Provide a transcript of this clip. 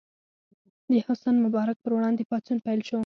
د حسن مبارک پر وړاندې پاڅون پیل شو.